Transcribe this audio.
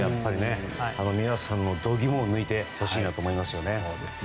皆さんも度肝を抜いてほしいなと思いますよね。